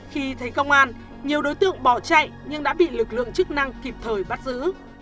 khi thấy công an nhiều đối tượng bỏ chạy nhưng đã bị lực lượng chức năng kịp thời bắt giữ